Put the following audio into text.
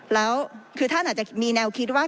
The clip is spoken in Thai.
แล้วคือท่านอาจจะมีแนวคิดว่า